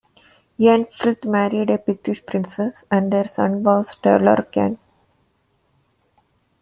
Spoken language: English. Eanfrith married a Pictish princess, and their son was Talorcan.